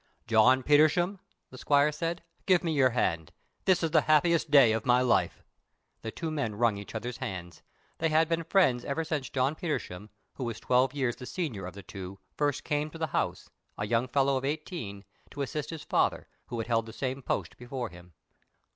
"John Petersham," the squire said, "give me your hand; this is the happiest day of my life!" The two men wrung each other's hands. They had been friends ever since John Petersham, who was twelve years the senior of the two, first came to the house, a young fellow of eighteen, to assist his father, who had held the same post before him.